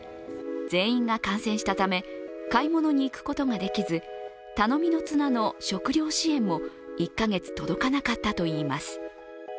全員が感染したため、買い物に行くことができず、頼みの綱の食料支援も１カ月届かなかったといいます。